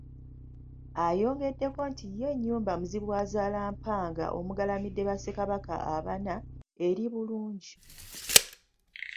Ayongeddeko nti yo ennyumba enkulu Muzibwazaalampanga omugalamidde ba Ssekabaka abana eri bulungi.